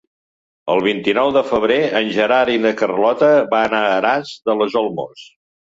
El vint-i-nou de febrer en Gerard i na Carlota van a Aras de los Olmos.